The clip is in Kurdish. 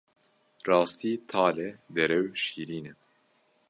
Rastî tal e, derew şîrîn e.